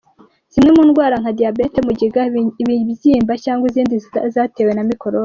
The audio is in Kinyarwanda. Zimwe mu ndwara nka diyabete, mugiga, ibibyimba cg izindi zitewe na mikorobe.